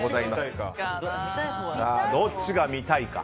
どっちが見たいか。